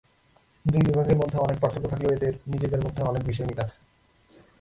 দুই বিভাগের মধ্যে অনেক পার্থক্য থাকলেও এদের নিজেদের মধ্যে অনেক বিষয়ে মিল আছে।